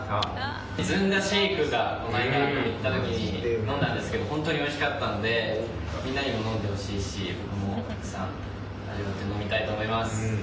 ずんだシェイクがこの間、行った時に飲んだんですけど本当においしかったのでみんなにも飲んでほしいし早く飲みたいと思います。